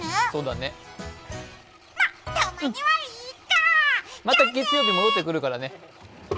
また月曜に戻ってくるからね。